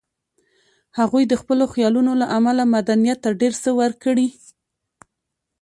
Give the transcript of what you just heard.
هغوی د خپلو خیالونو له امله مدنیت ته ډېر څه ورکړي